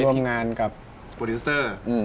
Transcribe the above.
ร่วมงานกับโปรดิวเซอร์